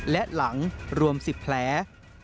และหลังรวม๑๐แผล